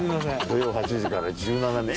土曜８時から１７年。